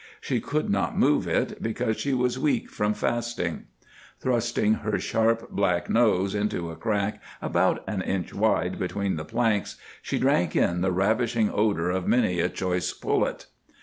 She could not move it, because she was weak from fasting. Thrusting her sharp, black nose into a crack about an inch wide between the planks, she drank in the ravishing odor of many a choice pullet.